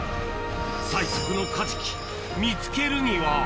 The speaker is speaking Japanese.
最速のカジキ、見つけるには。